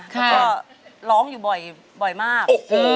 แล้วก็ร้องอยู่บ่อยมาก